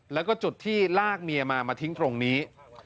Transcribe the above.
แล้วก็จุดที่ลากเมียมามาทิ้งตรงนี้